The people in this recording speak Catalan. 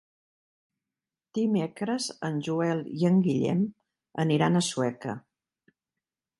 Dimecres en Joel i en Guillem aniran a Sueca.